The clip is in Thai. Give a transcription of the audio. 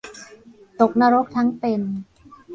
ตกนรกทั้งเป็น